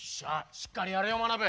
しっかりやれよまなぶ。